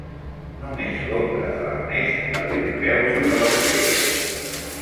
Només l'ombra de l'Ernest perdent peu sota la peixera.